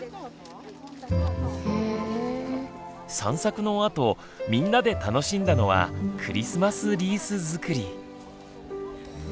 散策のあとみんなで楽しんだのはクリスマスリースづくり。